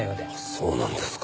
そうなんですか。